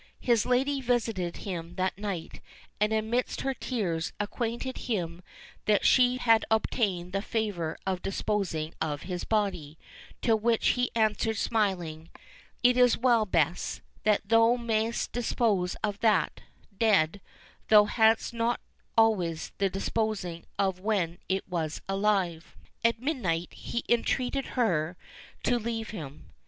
His lady visited him that night, and amidst her tears acquainted him that she had obtained the favour of disposing of his body; to which he answered smiling, "It is well, Bess, that thou mayst dispose of that, dead, thou hadst not always the disposing of when it was alive." At midnight he entreated her to leave him.